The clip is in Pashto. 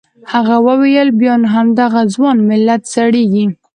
هغه وویل بیا نو همدغه ځوان ملت زړیږي.